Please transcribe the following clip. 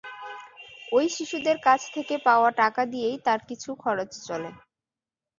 ওই শিশুদের কাছ থেকে পাওয়া টাকা দিয়েই তার কিছু খরচ চলে।